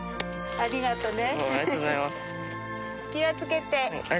ありがとね。